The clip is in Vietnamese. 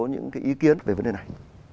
những cái ý kiến về vấn đề này